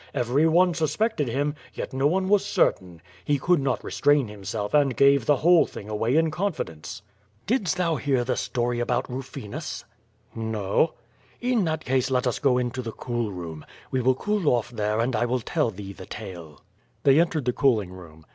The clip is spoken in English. Every one suspected him, yet no one was certain. He could not restrain himself and gave the whole thing away in confidence.^^ *T)idst thou hear the story about Eufinus?" ^TSTo.^^ "In that case let us go into the cool room. We will cool oflE there and I will tell thee the tale.^^ They entered the cooling room.